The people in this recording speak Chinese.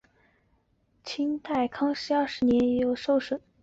清代康熙二十年也曾有过受损和修复纪录。